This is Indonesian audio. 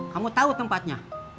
kamu tahu tempatnya